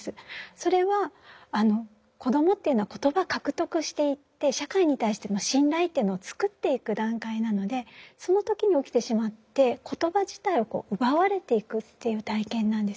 それは子供っていうのは言葉獲得していって社会に対して信頼というのをつくっていく段階なのでその時に起きてしまって言葉自体を奪われていくっていう体験なんです。